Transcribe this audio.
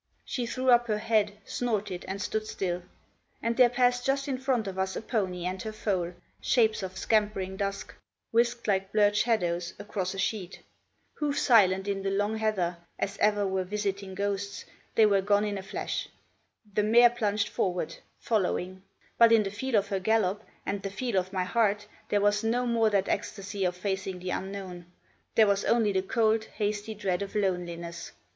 She threw up her head, snorted, and stood still; and there passed just in front of us a pony and her foal, shapes of scampering dusk, whisked like blurred shadows across a sheet. Hoof silent in the long heather—as ever were visiting ghosts—they were gone in a flash. The mare plunged forward, following. But, in the feel of her gallop, and the feel of my heart, there was no more that ecstasy of facing the unknown; there was only the cold, hasty dread of loneliness.